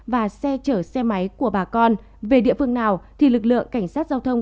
và xe chở xe máy của bà con về địa phương nào thì lực lượng cảnh sát giao thông